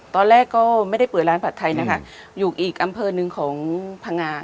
ตอนแรกก็ไม่ได้เปิดร้านผัดไทยนะคะอยู่อีกอำเภอหนึ่งของพังงา